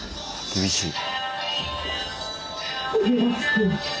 厳しい。